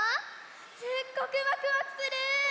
すっごくワクワクする！